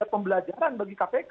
pembelajaran bagi kpk